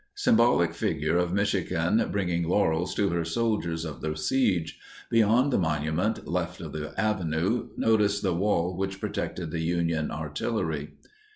Symbolic figure of Michigan bringing laurels to her soldiers of the siege. Beyond the monument, left of the avenue, notice the wall which protected the Union artillery.